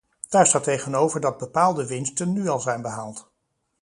Daar staat tegenover dat de bepaalde winsten nu al zijn behaald.